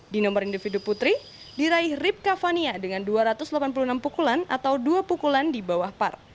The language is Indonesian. di nomor individu putri diraih ripka fania dengan dua ratus delapan puluh enam pukulan atau dua pukulan di bawah par